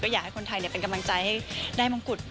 อยากให้คนไทยเป็นกำลังใจให้ได้มงกุฎ